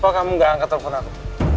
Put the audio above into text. kenapa kamu gak angkat telpon aku